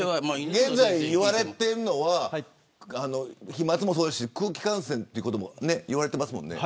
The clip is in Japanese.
現在、言われているのは飛沫もそうですし空気感染というのも言われてますもんね。